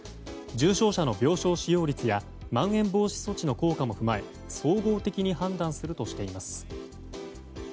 重症者の病床使用率やまん延防止措置の効果も踏まえ総合的に判断するとしています。